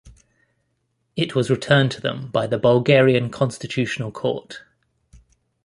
It was returned to them by the Bulgarian Constitutional Court.